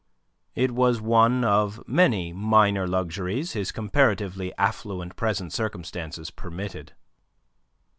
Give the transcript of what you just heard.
It was one of many minor luxuries his comparatively affluent present circumstances permitted.